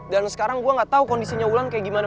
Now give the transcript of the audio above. dan sekarang gue nggak tahu kondisinya wulan kayak gimana